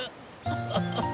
フフフ。